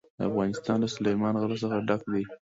افغانستان له سلیمان غر څخه ډک دی.